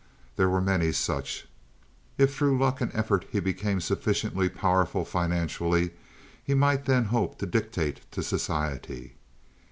There were many such. If through luck and effort he became sufficiently powerful financially he might then hope to dictate to society.